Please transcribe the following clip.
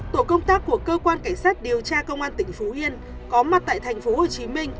tổ công tác của cơ quan cảnh sát điều tra công an tỉnh phú yên có mặt tại tp hcm